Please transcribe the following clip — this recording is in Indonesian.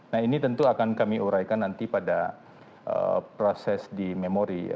nah ini tentu akan kami uraikan nanti pada bulan juli